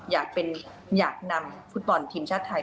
อยากนำฟุตบอลทีมชาติไทย